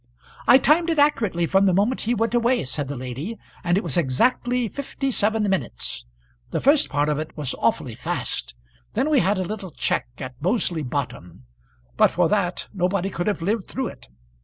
"I timed it accurately from the moment he went away," said the lady, "and it was exactly fifty seven minutes. The first part of it was awfully fast. Then we had a little check at Moseley Bottom. But for that, nobody could have lived through it.